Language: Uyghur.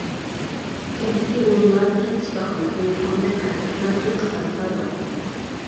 كەنتتىكى ئورۇنلار كەنت شىپاخانىسى، ئامانەت-قەرز كوپىراتىپى قاتارلىقلار بار.